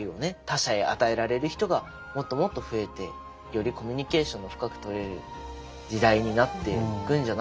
他者へ与えられる人がもっともっと増えてよりコミュニケーションの深くとれる時代になっていくんじゃないかなと思いました。